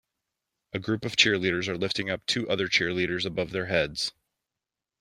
A group of cheerleaders are lifting up two other cheerleaders above their heads.